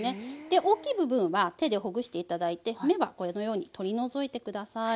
大きい部分は手でほぐして頂いて芽はこのように取り除いて下さい。